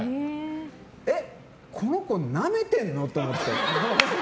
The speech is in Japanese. えっ、この子ナメてんの？と思って。